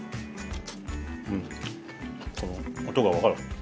うん音が分かる。